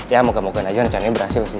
ya moga moga aja rencananya berhasil sih